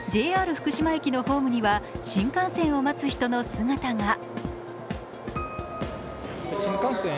ＪＲ福島駅のホームには新幹線を待つ人の姿が。